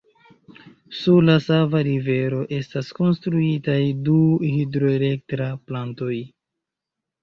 Sur la Sava Rivero estas konstruitaj du hidroelektra plantoj.